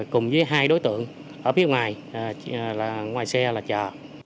cùng với hai đối tượng ở phía ngoài là ngoài xe là chờ